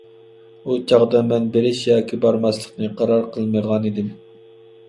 ئۇ چاغدا مەن بېرىش ياكى بارماسلىقنى قارار قىلمىغانىدىم.